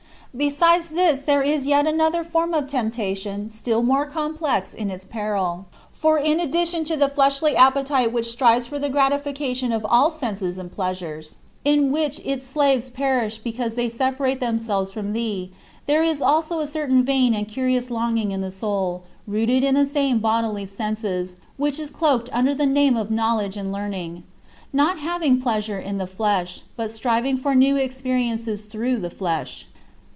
Besides this there is yet another form of temptation still more complex in its peril. For in addition to the fleshly appetite which strives for the gratification of all senses and pleasures in which its slaves perish because they separate themselves from thee there is also a certain vain and curious longing in the soul, rooted in the same bodily senses, which is cloaked under the name of knowledge and learning; not having pleasure in the flesh, but striving for new experiences through the flesh.